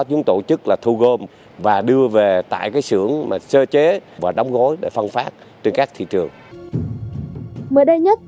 tương tự tại huyện lục nam tỉnh bắc giang